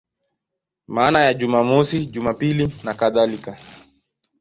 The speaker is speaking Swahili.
Maana ya Jumamosi, Jumapili nakadhalika.